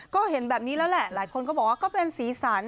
ก็เห็นแบบนี้แล้วแหละหลายคนก็บอกว่าก็เป็นสีสัน